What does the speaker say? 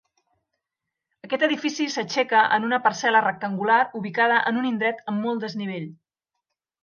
Aquest edifici s'aixeca en una parcel·la rectangular ubicada en un indret amb molt desnivell.